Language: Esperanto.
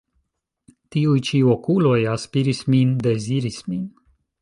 Tiuj ĉi okuloj aspiris min, deziris min.